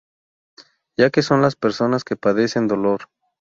Ya que son las personas las que padecen dolor.